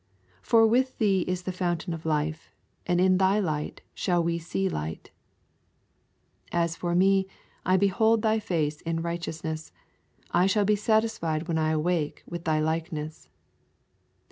For with Thee is the fountain of life, and in Thy light shall we see light. As for me, I will behold Thy face in righteousness: I shall be satisfied when I awake with Thy likeness.